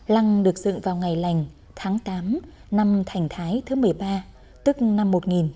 lăng được dựng vào ngày lành tháng tám năm thành thái thứ một mươi ba tức năm một nghìn chín trăm bảy mươi